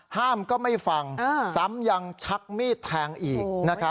ก็ไม่ฟังซ้ำยังชักมีดแทงอีก